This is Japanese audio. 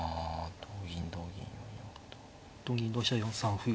同銀同飛車４三歩。